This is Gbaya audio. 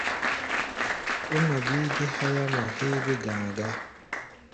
Ó ŋma bíí dé háyámɔ héé bé-ga̧a̧ gá.